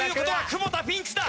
久保田ピンチだ！